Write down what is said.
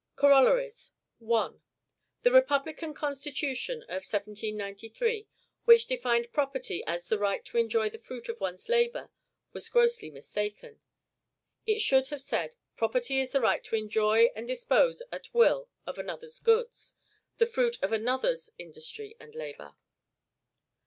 COROLLARIES. 1. The republican constitution of 1793, which defined property as "the right to enjoy the fruit of one's labor," was grossly mistaken. It should have said, "Property is the right to enjoy and dispose at will of another's goods, the fruit of another's industry and labor."